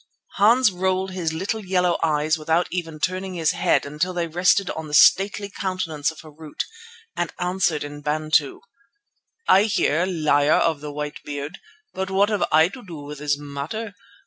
Hans rolled his little yellow eyes without even turning his head until they rested on the stately countenance of Harût, and answered in Bantu: "I hear, Liar with the White Beard, but what have I to do with this matter?